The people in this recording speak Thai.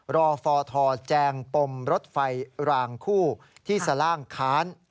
รอฟทแจงปมรถไฟรางคู่ที่สล่างค้าน